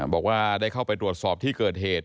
บอกว่าได้เข้าไปตรวจสอบที่เกิดเหตุ